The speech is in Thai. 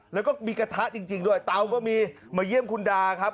แล้วก็มีกระทะจริงด้วยเตาก็มีมาเยี่ยมคุณดาครับ